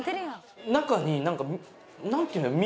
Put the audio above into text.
中になんかなんていうんだろう？